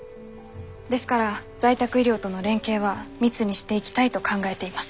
ですから在宅医療との連携は密にしていきたいと考えています。